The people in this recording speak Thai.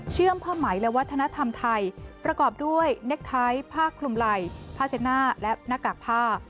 ผ้าไหมและวัฒนธรรมไทยประกอบด้วยเน็กไทท์ผ้าคลุมไหล่ผ้าเช็ดหน้าและหน้ากากผ้า